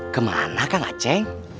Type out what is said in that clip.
kemana kang aceh